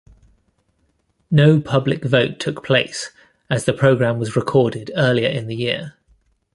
No public vote took place, as the programme was recorded earlier in the year.